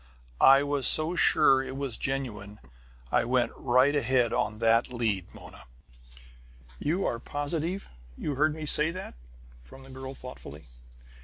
"I was so sure it was genuine I went right ahead on that lead, Mona." "You are positive you heard me say that?" from the girl thoughtfully.